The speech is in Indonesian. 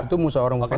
itu musawarung fakat